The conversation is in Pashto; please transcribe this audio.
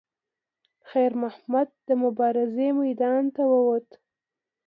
خیر محمد د مبارزې میدان ته وووت.